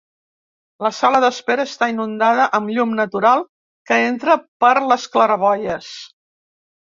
La sala d'espera està inundada amb llum natural que entra per les claraboies.